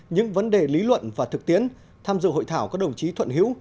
những vấn đề lý luận và thực tiến tham dự hội thảo có đồng chí thuận hiếu